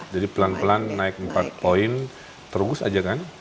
jadi pelan pelan naik empat poin terugus aja kan